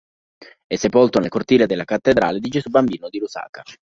È sepolto nel cortile della cattedrale di Gesù Bambino di Lusaka.